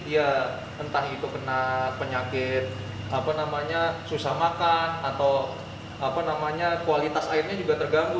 ya entah itu kena penyakit apa namanya susah makan atau kualitas airnya juga terganggu